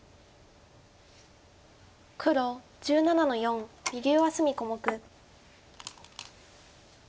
黒１７の四右上隅小目。